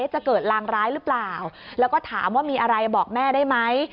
จะเกิดลางร้ายหรือเปล่าแล้วก็ถามว่ามีอะไรบอกแม่ได้ไหม